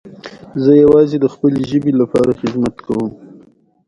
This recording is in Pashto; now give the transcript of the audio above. ازادي راډیو د سوله په اړه د خلکو احساسات شریک کړي.